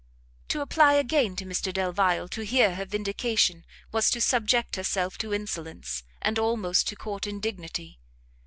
To apply again to Mr Delvile to hear her vindication, was to subject herself to insolence, and almost to court indignity.